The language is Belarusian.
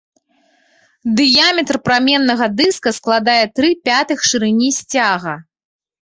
Дыяметр праменнага дыска складае тры пятых шырыні сцяга.